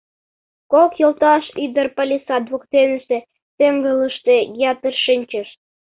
Кок йолташ ӱдыр палисад воктенысе теҥгылыште ятыр шинчыш.